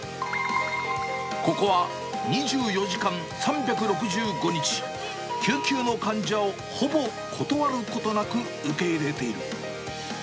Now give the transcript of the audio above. ここは２４時間３６５日、救急の患者をほぼ断ることなく受け入れている。